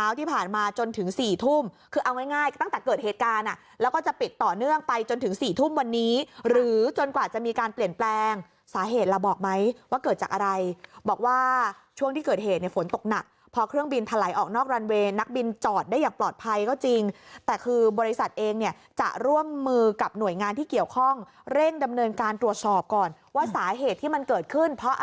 ว่าโอ้ยเนี่ยผู้โดยสารก็บอกว่าโอ้ยเนี่ยผู้โดยสารก็บอกว่าโอ้ยเนี่ยผู้โดยสารก็บอกว่าโอ้ยเนี่ยผู้โดยสารก็บอกว่าโอ้ยเนี่ยผู้โดยสารก็บอกว่าโอ้ยเนี่ยผู้โดยสารก็บอกว่าโอ้ยเนี่ยผู้โดยสารก็บอกว่าโอ้ยเนี่ยผู้โดยสารก็บอกว่าโอ้ยเนี่ยผู้โดยสาร